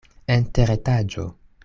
En teretaĝo.